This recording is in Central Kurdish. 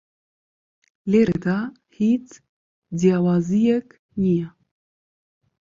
لێرەدا هیچ جیاوازییەک نییە